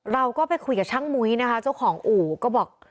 เราก็ไปคุยกับช่างมุ้ยนะคะเจ้าของอู่ก็บอก